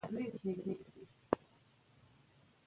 که ټولګې پاکه وي نو ناروغي نه راځي.